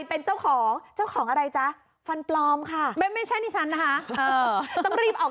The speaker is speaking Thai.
เอ๊ะอยู่นะ